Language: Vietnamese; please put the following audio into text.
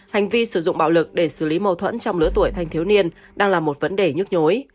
hành vi sử dụng bạo lực để xử lý mâu thuẫn trong lứa tuổi thanh thiếu niên đang là một vấn đề nhức nhối